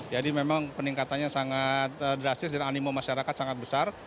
jadi memang peningkatannya sangat drastis dan animo masyarakat sangat besar